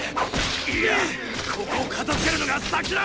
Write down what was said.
いやここを片づけるのが先だ！